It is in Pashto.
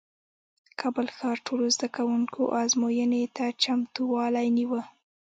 کابل ښار ټولو زدکوونکو ازموینې ته چمتووالی نیوه